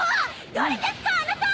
誰ですかあなた！